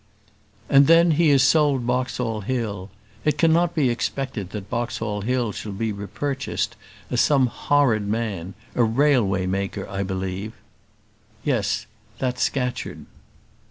"And then, he has sold Boxall Hill. It cannot be expected that Boxall Hill shall be repurchased, as some horrid man, a railway maker, I believe " "Yes; that's Scatcherd."